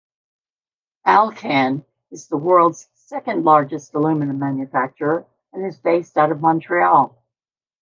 Alcan is the world's second largest aluminium manufacturer and is based out of Montreal.